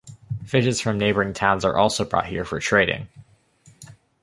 Fishes from neighboring towns are also brought here for trading.